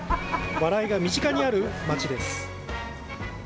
笑いが身近にある町です。